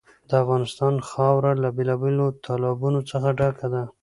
د افغانستان خاوره له بېلابېلو تالابونو څخه ډکه ده.